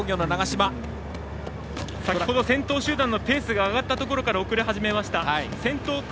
先ほど先頭集団のペースが上がったところから遅れ始めました、長嶋。